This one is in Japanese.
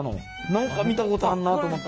何か見たことあるなと思った。